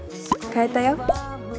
買えたよ。